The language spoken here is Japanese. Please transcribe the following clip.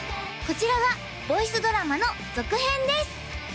こちらはボイスドラマの続編です